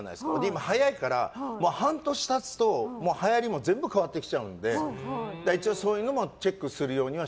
今は早いから、半年経つとはやりも全部変わってくるので一応そういうのもチェックしてる。